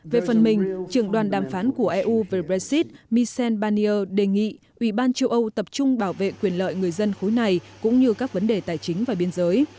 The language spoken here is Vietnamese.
về phần mình trưởng đoàn đàm phán của eu về brexit michel barnier đề nghị ủy ban châu âu tập trung bảo vệ quyền lợi người dân khối này cũng như các vấn đề tài chính và biên giới